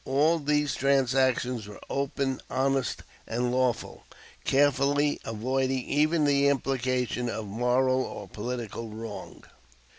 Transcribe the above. All these transactions were open, honest, and lawful, carefully avoiding even the implication of moral or political wrong.